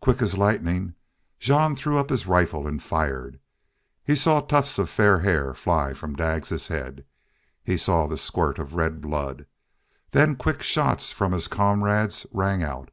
Quick as lightning Jean threw up his rifle and fired. He saw tufts of fair hair fly from Daggs's head. He saw the squirt of red blood. Then quick shots from his comrades rang out.